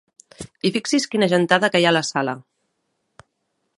I fixi's quina gentada que hi ha a la sala!